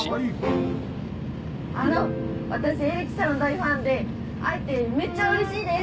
どうぞあの私エレキさんの大ファンで会えてめっちゃうれしいです